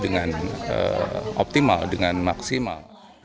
dengan optimal dengan maksimal